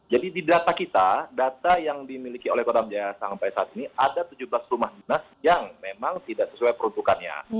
jadi di data kita data yang dimiliki oleh kota medan jaya sampai saat ini ada tujuh belas rumah dinas yang memang tidak sesuai peruntukannya